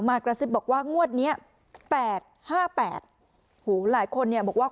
กระซิบบอกว่างวดเนี้ยแปดห้าแปดหูหลายคนเนี่ยบอกว่า